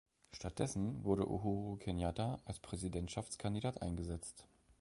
Stattdessen wurde Uhuru Kenyatta als Präsidentschaftskandidat eingesetzt.